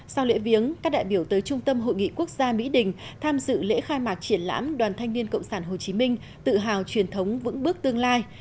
sau lễ viếng các đại biểu tới trung tâm hội nghị quốc gia mỹ đình tham dự lễ khai mạc triển lãm đoàn thanh niên cộng sản hồ chí minh tự hào truyền thống vững bước tương lai